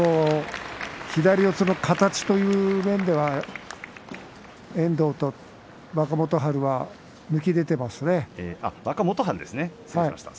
左四つの形という面では形という面では遠藤と若元春はぬきんでていますよね。